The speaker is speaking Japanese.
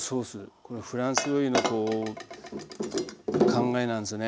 これフランス料理のこう考えなんですよね。